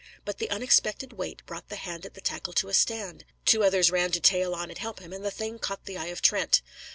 But the unexpected weight brought the hand at the tackle to a stand; two others ran to tail on and help him, and the thing caught the eye of Trent.